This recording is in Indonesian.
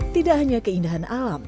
tidak hanya keindahan alam